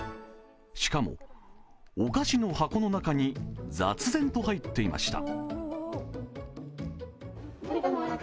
しかも、お菓子の箱の中に雑然と入っていました。